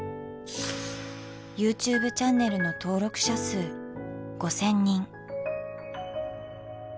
ＹｏｕＴｕｂｅチャンネルの登録者数５，０００人。